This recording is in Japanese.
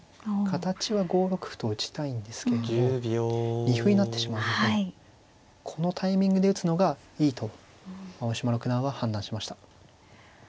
形は５六歩と打ちたいんですけれども二歩になってしまうのでこのタイミングで打つのがいいと青嶋六段は判断しました。